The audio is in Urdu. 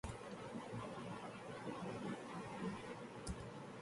کہ نیم حکیم اور خطرہ جان ، کس کام کے پیچھے پڑ گئے ہو